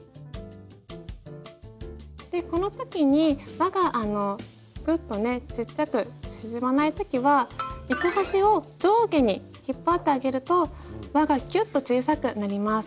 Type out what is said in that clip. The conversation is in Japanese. この時に輪がぐっとねちっちゃく縮まない時は糸端を上下に引っ張ってあげると輪がキュッと小さくなります。